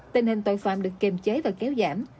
tình hình tội phạm được kiềm chế và kéo giảm